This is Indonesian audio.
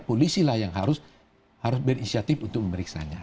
polisilah yang harus berinisiatif untuk memeriksanya